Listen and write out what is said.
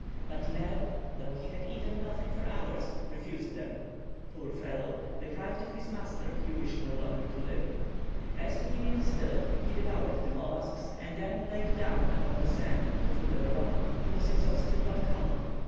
But Neb, though he had eaten nothing for hours, refused them. Poor fellow! deprived of his master, he wished no longer to live. As to Gideon Spilett, he devoured the mollusks, and then laid down upon the sand at the foot of a rock. He was exhausted, but calm.